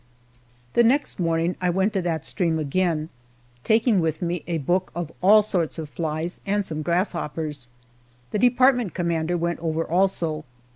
The next morning I went to that stream again, taking with me a book of all sorts of flies and some grasshoppers. The department commander went over also.